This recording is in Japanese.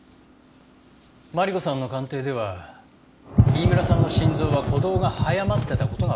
マリコさんの鑑定では飯村さんの心臓は鼓動が早まってた事がわかったんですよね？